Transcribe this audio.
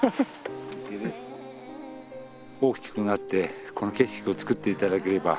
大きくなってこの景色をつくって頂ければ。